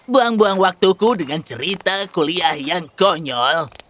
buang buang waktuku dengan cerita kuliah yang konyol